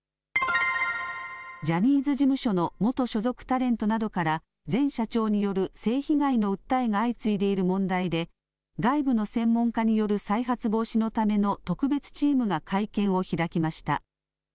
ジャニーズ事務所の元所属タレントなどから前社長による性被害の訴えが相次いでいる問題で外部の専門家による再発防止のための特別チームが会見を開きました。